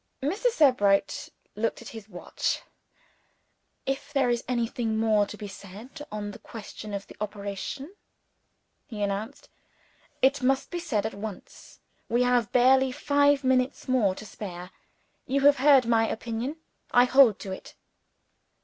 Mr. Sebright looked at his watch. "If there is anything more to be said on the question of the operation," he announced, "it must be said at once. We have barely five minutes more to spare. You have heard my opinion. I hold to it."